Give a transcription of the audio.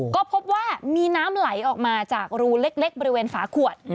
ก็พบว่ามีน้ำไหลออกมาจากรูเล็กบริเวณฝาขวด